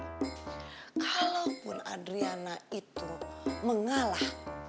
kalaupun adriana itu mengalah